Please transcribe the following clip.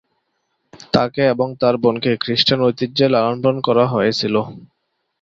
তাকে এবং তার বোনকে "খ্রিস্টান ঐতিহ্যে লালন-পালন করা হয়েছিল"।